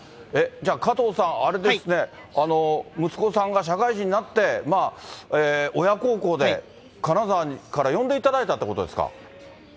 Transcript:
じゃあ、かとうさん、あれですね、息子さんが社会人になって、まあ親孝行で、金沢から呼んでいただいたってことですか？